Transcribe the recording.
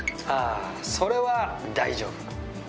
あぁそれは大丈夫。